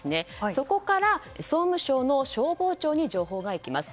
そこから、総務省の消防庁に情報がいきます。